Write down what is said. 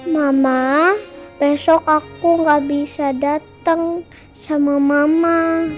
mama besok aku gak bisa datang sama mama